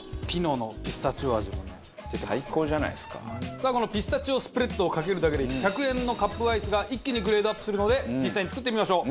さあこのピスタチオスプレッドをかけるだけで１００円のカップアイスが一気にグレードアップするので実際に作ってみましょう。